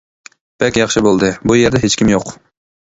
«بەك ياخشى بولدى، بۇ يەردە ھېچكىم يوق» .